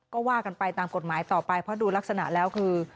ก็ว่ากันไปตามกฎหมายต่อไปเพราะดูลักษณะแล้วคือ